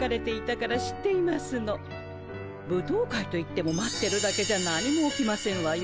舞踏会といっても待ってるだけじゃ何も起きませんわよ。